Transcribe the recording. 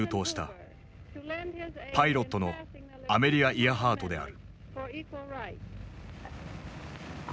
パイロットのアメリア・イアハートである。